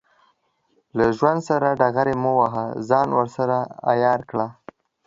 له ژوند سره ډغرې مه وهه، ځان ورسره عیار کړه.